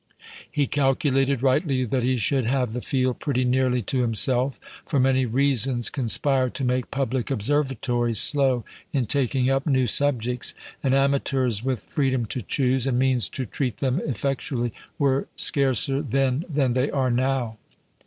He calculated rightly that he should have the field pretty nearly to himself; for many reasons conspire to make public observatories slow in taking up new subjects, and amateurs with freedom to choose, and means to treat them effectually, were scarcer then than they are now.